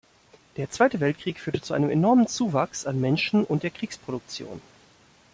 Der Zweite Weltkrieg führte zu einem enormen Zuwachs an Menschen und der Kriegsproduktion.